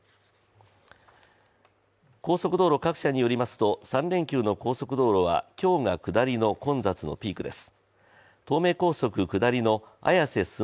高速道路各社によりますと、３連休の高速道路は今日が下りの混雑のピークです。